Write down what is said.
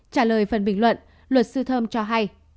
trả lời phần bình luận luật sư thơm cho hay